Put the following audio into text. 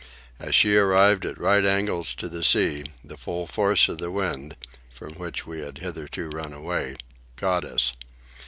As she arrived at right angles to the sea, the full force of the wind (from which we had hitherto run away) caught us.